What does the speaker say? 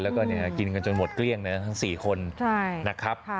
แล้วก็กินกันจนหมดเกลี้ยงนะทั้ง๔คนนะครับ